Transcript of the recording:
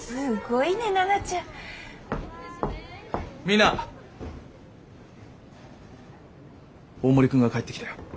みんな大森君が帰ってきたよ。